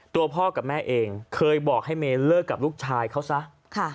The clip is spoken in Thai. ตัวพ่อกับแม่เองเคยบอกให้เมย์เลิกกับลูกชายเขาซะ